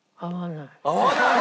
合わない？